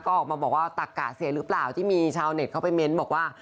ก็ออกมาบอกว่าตักกะเสียหรือเปล่าที่มีชาวเน็ตเข้าไปเม้นบอกว่า